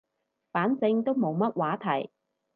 反正都冇乜話題